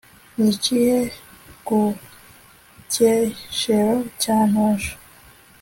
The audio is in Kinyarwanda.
niciye ku Cyeshero cya Ntosho